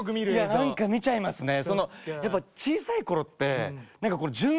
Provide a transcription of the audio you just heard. いや何か見ちゃいますね。